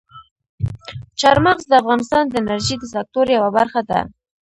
چار مغز د افغانستان د انرژۍ د سکتور یوه برخه ده.